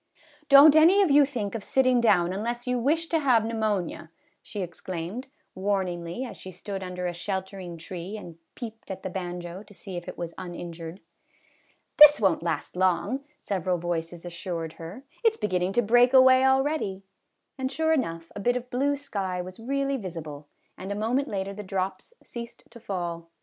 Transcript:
" Don't any of you think of sitting down unless you wish to have pneumonia," she exclaimed, warn ingly, as she stood under a sheltering tree and peeped at the banjo to see if it was injured. " This won't last long, " several voices assured her ;" it 's beginning to break away already," and sure enough, a bit of blue sky was really visible, and a moment later the drops ceased to fall.